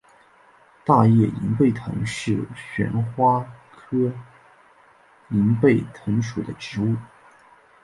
大叶银背藤是旋花科银背藤属的植物。